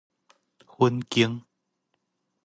粉間